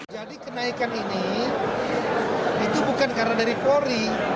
jadi kenaikan ini itu bukan karena dari polri